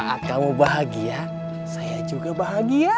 saat kamu bahagia saya juga bahagia